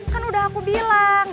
kan udah aku bilang